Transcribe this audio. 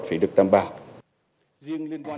phải được đảm bảo